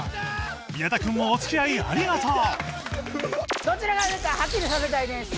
宮田君もお付き合いありがとう